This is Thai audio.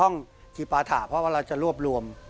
ห้องกีปาถาเพราะว่าเราจะรวบรวม